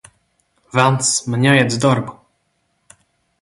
Velns, man jāiet uz darbu!